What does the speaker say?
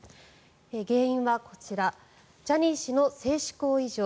原因はこちらジャニー氏の性嗜好異常